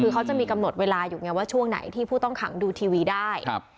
คือเขาจะมีกำหนดเวลาอยู่ไงว่าช่วงไหนที่ผู้ต้องขังดูทีวีได้